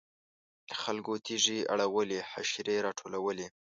خلکو تیږې اړولې حشرې راټولولې.